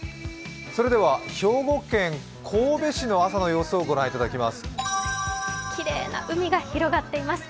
それでは兵庫県神戸市の朝の様子をご覧いただきます。